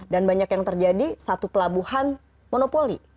dan banyak yang terjadi satu pelabuhan monopoli